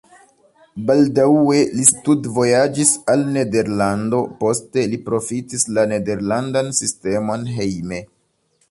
Baldaŭe li studvojaĝis al Nederlando, poste li profitis la nederlandan sistemon hejme.